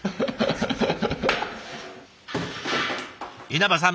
稲葉さん